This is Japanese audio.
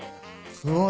すごい。